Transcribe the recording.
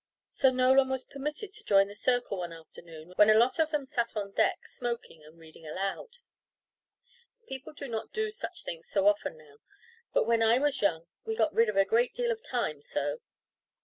So Nolan was permitted to join the circle one afternoon when a lot of them sat on deck smoking and reading aloud. People do not do such things so often now; but when I was young we got rid of a great deal of time so.